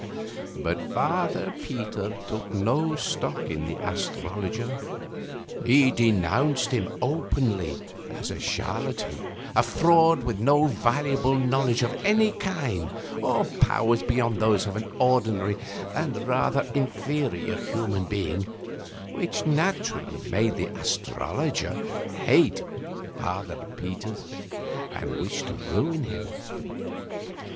But Father Peter took no stock in the astrologer. He denounced him openly as a charlatan a fraud with no valuable knowledge of any kind, or powers beyond those of an ordinary and rather inferior human being, which naturally made the astrologer hate Father Peter and wish to ruin him.